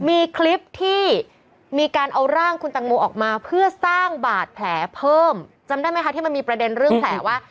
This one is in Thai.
มีคลิปที่มีการเอาร่างคุณตังโมออกมาเพื่อสร้างบาดแผลเพิ่มจำได้ไหมคะที่มันมีประเด็นเรื่องแผลว่า